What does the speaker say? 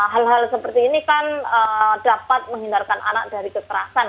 hal hal seperti ini kan dapat menghindarkan anak dari kekerasan